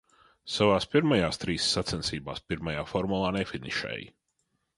Savās pirmajās trīs sacensībās pirmajā formulā nefinišēja.